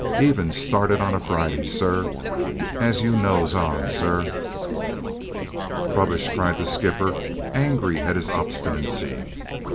Even started on a Friday, sir, as you knows on, sir!" "Rubbish!" cried the skipper, angry at his obstinacy.